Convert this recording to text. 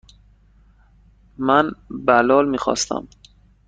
من بلال میخواستم.